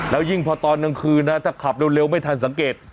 แล้วยิ่งพอตอนกลางคืนนะถ้าขับเร็วไม่ทันสังเกต